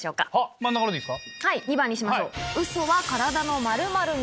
真ん中のでいいですか。